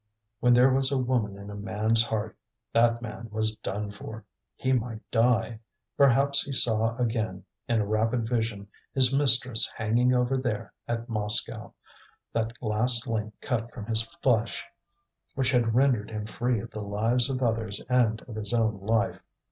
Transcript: When there was a woman in a man's heart, that man was done for; he might die. Perhaps he saw again in a rapid vision his mistress hanging over there at Moscow, that last link cut from his flesh, which had rendered him free of the lives of others and of his own life.